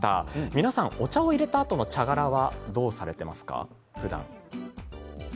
皆さんお茶をいれたあとの茶殻はどうされていますかふだん。